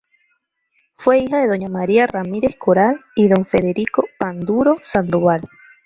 Fue hija de doña María Ramírez Coral y don Federico Panduro Sandoval.